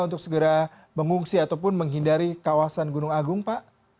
untuk segera mengungsi ataupun menghindari kawasan gunung agung pak